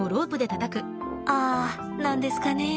あ何ですかね。